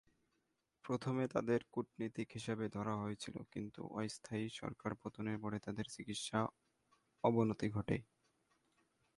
প্রথমে তাদের কূটনীতিক হিসাবে ধরা হয়েছিল, কিন্তু অস্থায়ী সরকার পতনের পরে তাদের চিকিৎসা অবনতি ঘটে।